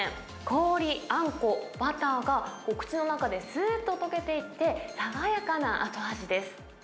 氷、あんこ、バターが口の中ですーっと溶けていって、爽やかな後味です。